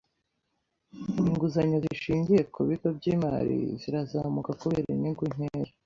Inguzanyo zishingiye ku bigo by'imari zirazamuka kubera inyungu nkeya.